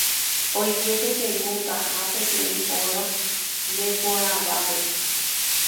Oike peteĩ mondaha peteĩ óga neporãvape